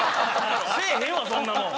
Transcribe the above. せえへんわそんなもん！